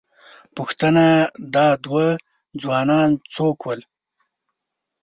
_پوښتنه، دا دوه ځوانان څوک ول؟